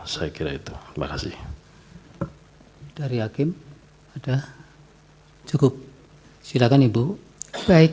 saya kira itu terima kasih